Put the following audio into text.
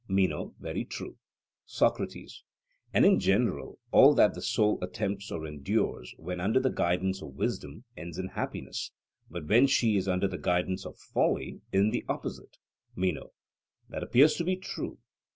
MENO: Very true. SOCRATES: And in general, all that the soul attempts or endures, when under the guidance of wisdom, ends in happiness; but when she is under the guidance of folly, in the opposite? MENO: That appears to be true.